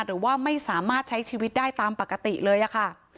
หรือว่าไม่สามารถใช้ชีวิตได้ตามปกติเลยค่ะ